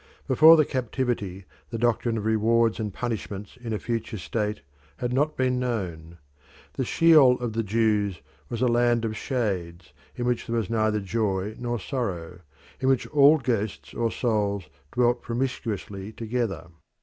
Before the captivity the doctrine of rewards and punishments in a future state had not been known. The Sheol of the Jews was a land of shades in which there was neither joy nor sorrow, in which all ghosts or souls dwelt promiscuously together.